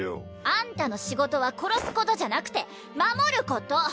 あんたの仕事は殺すことじゃなくて守ること！